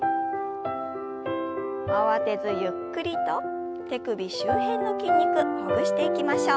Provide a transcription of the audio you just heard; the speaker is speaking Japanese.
慌てずゆっくりと手首周辺の筋肉ほぐしていきましょう。